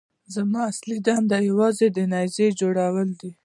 زما اصلي دنده یوازې د نيزې جوړول دي.